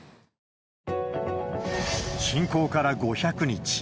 侵攻から５００日。